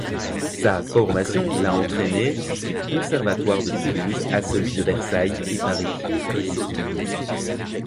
Sa formation l'a entrainé du conservatoire de Toulouse à celui de Versailles et Paris.